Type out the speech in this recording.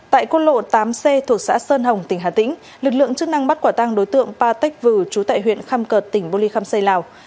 tại quân lộ tám c thuộc xã sơn hồng tỉnh hà tĩnh lực lượng chức năng bắt quả tăng đối tượng pa tech vư trú tại huyện khăm cợt tỉnh bô ly khăm xây lào